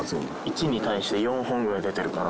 １に対して４本ぐらい出てるから。